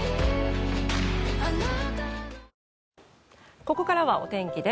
ここからはお天気です。